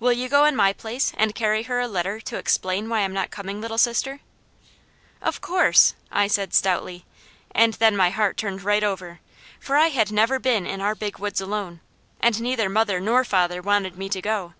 "Will you go in my place, and carry her a letter to explain why I'm not coming, Little Sister?" "Of course!" I said stoutly, and then my heart turned right over; for I never had been in our Big Woods alone, and neither mother nor father wanted me to go.